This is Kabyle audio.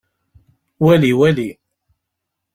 Wali wali!